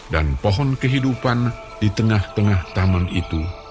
dan pohon kehidupan di tengah tengah taman itu